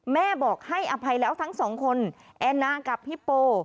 แม่บอกให้อภัยแล้วทั้งสองคนแอนนากับพี่โป